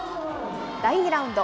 第２ラウンド。